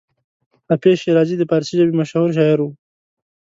حافظ شیرازي د فارسي ژبې مشهور شاعر و.